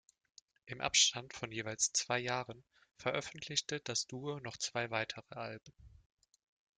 Im Abstand von jeweils zwei Jahren veröffentlichte das Duo noch zwei weitere Alben.